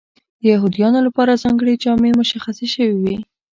د یهودیانو لپاره ځانګړې جامې مشخصې شوې وې.